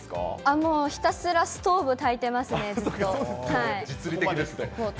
もうひたすらストーブたいてますね、ずっと。